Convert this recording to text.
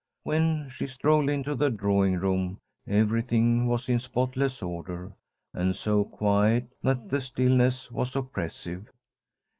When she strolled into the drawing room, everything was in spotless order, and so quiet that the stillness was oppressive.